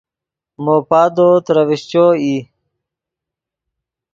مو پادو ترے ڤیشچو ای